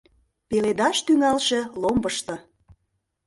Пеледаш тӱҥалше ломбышто!